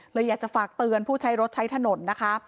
เลยอยากจะฝากเตือนผู้ใช้รถใช้ถนนนะคะ